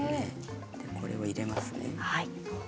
これを入れますね。